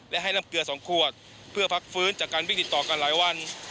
และให้น้ำเกลือ๒ขวดเพื่อพักฟื้นจากการวิ่งติดต่อกันหลายวัน